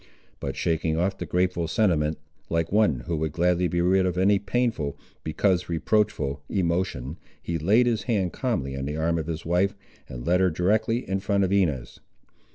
But shaking off the grateful sentiment, like one who would gladly be rid of any painful, because reproachful, emotion, he laid his hand calmly on the arm of his wife, and led her directly in front of Inez.